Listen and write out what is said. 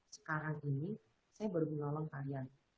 sekarang ini saya baru menolong kalian